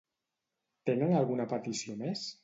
Tenen alguna petició més?